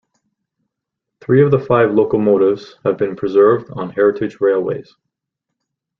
Three of the five locomotives have been preserved on heritage railways.